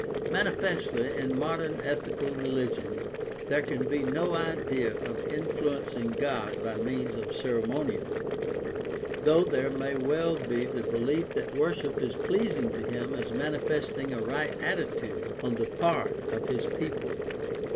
Manifestly, in modern ethical religion there can be no idea of influencing God by means of ceremonial, though there may well be the belief that worship is pleasing to him as mani festing a right attitude on the part of his people.